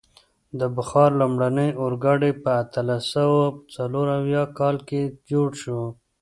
د بخار لومړنی اورګاډی په اتلس سوه څلور کال کې جوړ شو.